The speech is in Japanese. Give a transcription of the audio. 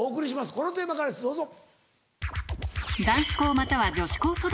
このテーマからですどうぞ。